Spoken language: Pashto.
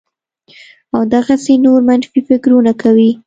او دغسې نور منفي فکرونه کوي